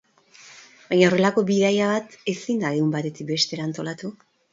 Baina horrelako bidaia bat ezin da egun batetik bestera antolatu.